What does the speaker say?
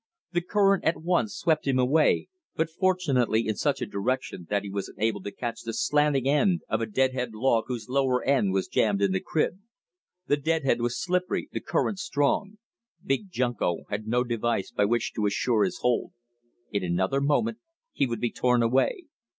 The current at once swept him away, but fortunately in such a direction that he was enabled to catch the slanting end of a "dead head" log whose lower end was jammed in the crib. The dead head was slippery, the current strong; Big Junko had no crevice by which to assure his hold. In another moment he would be torn away.